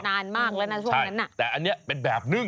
นานมากแล้วนะช่วงนั้นน่ะแต่อันนี้เป็นแบบนึ่ง